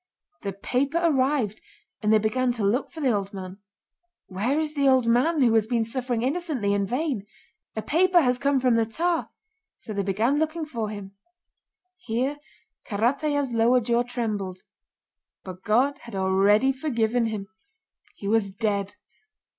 The paper arrived and they began to look for the old man. 'Where is the old man who has been suffering innocently and in vain? A paper has come from the Tsar!' so they began looking for him," here Karatáev's lower jaw trembled, "but God had already forgiven him—he was dead!